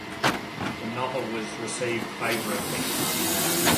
The novel was received favorably.